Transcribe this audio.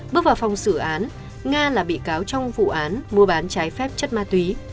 bước vào phòng xử án nga là bị cáo trong vụ án mua bán trái phép chất ma túy